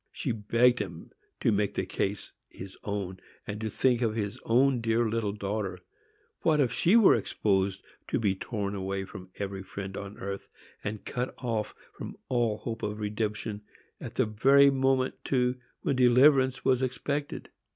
She begged him to make the case his own, to think of his own dear little daughter,—what if she were exposed to be torn away from every friend on earth, and cut off from all hope of redemption, at the very moment, too, when deliverance was expected!